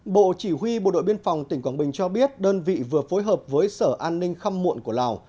bộ chỉ huy bộ đội biên phòng tỉnh quảng bình cho biết đơn vị vừa phối hợp với sở an ninh khăm muộn của lào